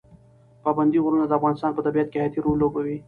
پابندي غرونه د افغانستان په طبیعت کې حیاتي رول لوبوي.